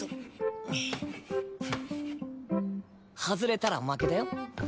外れたら負けだよ。